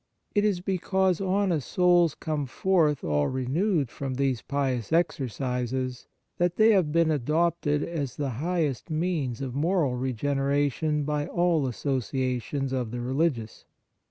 It is be cause honest souls come forth all renewed from these pious exercises that they have been adopted as the highest means of moral regeneration by all associations of the religious.